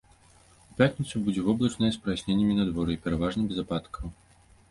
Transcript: У пятніцу будзе воблачнае з праясненнямі надвор'е, пераважна без ападкаў.